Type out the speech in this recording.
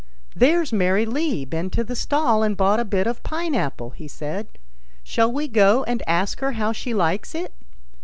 [STORY " There's Mary Lee been to the stall and bought a bit of pine apple," he said ;" shall we go and ask her how she likes it